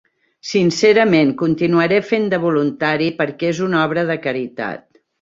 Sincerament, continuaré fent de voluntari perquè és una obra de caritat.